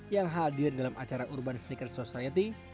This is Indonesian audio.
yang hadir dalam acara urban sneakers society